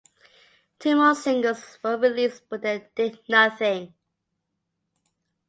Two more singles were released but they did nothing.